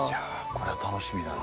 これは楽しみだな。